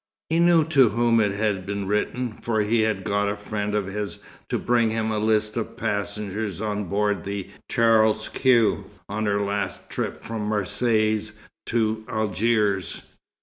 He knew to whom it had been written, for he had got a friend of his to bring him a list of passengers on board the Charles Quex on her last trip from Marseilles to Algiers.